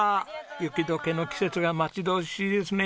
雪解けの季節が待ち遠しいですね。